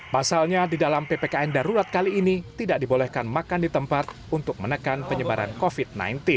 pasalnya di dalam ppkm darurat kali ini tidak dibolehkan makan di tempat untuk menekan penyebaran covid sembilan belas